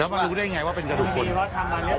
แล้วมารู้ได้ยังไงว่าเป็นกระดูกคน